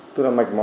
tức là mạch máu